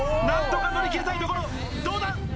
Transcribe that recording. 何とか乗り切りたいところどうだ？